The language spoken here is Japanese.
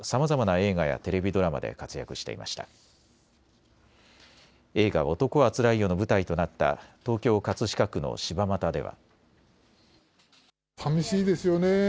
映画、男はつらいよの舞台となった東京葛飾区の柴又では。